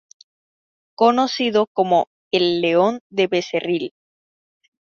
Conocido como "el León de Becerril".